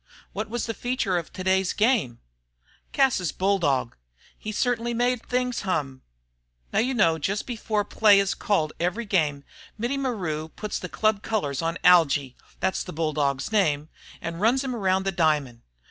"What was the feature of today's game?" "Cas's bulldog. He certainly made things hum. Now you know just before play is called every game, Mittie maru puts the club colors on Algy that's the bulldog's name and runs him around the diamond.